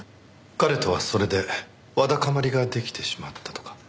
彼とはそれでわだかまりが出来てしまったとか。